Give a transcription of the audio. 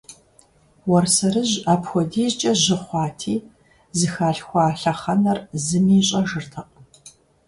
Уэрсэрыжь апхуэдизкӀэ жьы хъуати, зыхалъхуа лъэхъэнэр зыми ищӀэжыртэкъым.